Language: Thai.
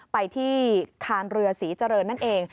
ไปที่คานเรือศรีเจริญนั่นเอง